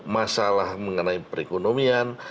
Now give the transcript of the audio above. masalah mengenai perekonomian